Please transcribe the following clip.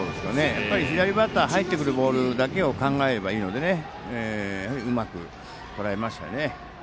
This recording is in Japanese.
やっぱり左バッター入ってくるボールだけを考えればいいのでうまくとらえましたね。